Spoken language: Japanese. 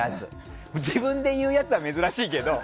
自分で言うやつは珍しいけど。